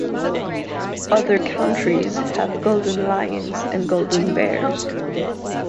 Other countries have golden lions and golden bears.